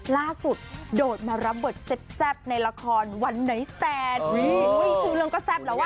ล่าสุดโดดมารับเบิร์ตแซ่บแซ่บในละครวันนายสแทนอุ๊ยชื่อเรื่องก็แซ่บแล้วว่ะ